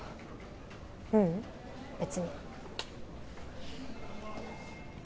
ううん別に。